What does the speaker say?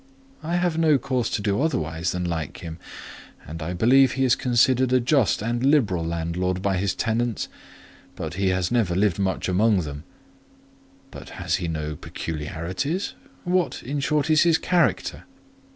"I have no cause to do otherwise than like him; and I believe he is considered a just and liberal landlord by his tenants: but he has never lived much amongst them." "But has he no peculiarities? What, in short, is his character?"